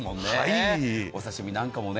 お刺し身なんかもね。